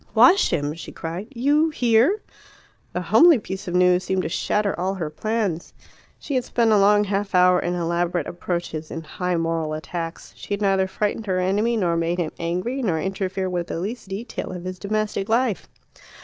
"Wash him!" she cried. "You? Here?" The homely piece of news seemed to shatter all her plans. She had spent a long half hour in elaborate approaches, in high moral attacks; she had neither frightened her enemy nor made him angry, nor interfered with the least detail of his domestic life.